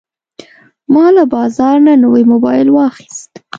ما له بازار نه نوی موبایل واخیست.